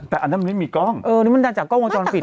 แต่อันนั้นมันไม่มีกล้องเออนี่มันดันจากกล้องวงจรปิด